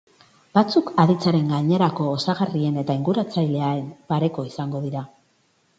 Batzuk aditzaren gainerako osagarrien eta inguratzaileen pareko izango dira.